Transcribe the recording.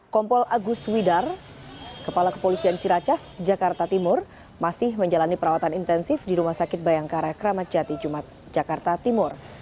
kompol agus widar kepala kepolisian ciracas jakarta timur masih menjalani perawatan intensif di rumah sakit bayangkara kramat jati jumat jakarta timur